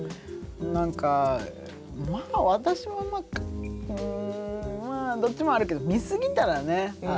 何かまあ私はうんまあどっちもあるけど見すぎたらね